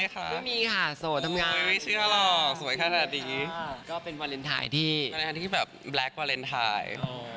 ก็เป็นวาเลนไทยที่แบบแบล็ควาเลนไทย